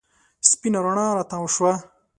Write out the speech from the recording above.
سپېنه رڼا راتاو شوه.